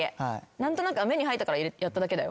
何となく目に入ったからやっただけだよ。